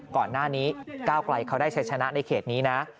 ก่อนหน้านี้ก้าวไกลเขาได้ใช้ชนะในเขตนี้นะ